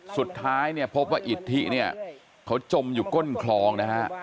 สุดท้ายพบว่าอิทธิเขาจมอยู่ก้นคลอง